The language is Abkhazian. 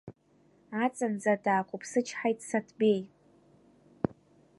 Аҵанӡа даақәыԥсычҳаит Саҭбеи.